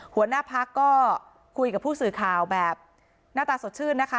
หัวหน้าพักก็คุยกับผู้สื่อข่าวแบบหน้าตาสดชื่นนะคะ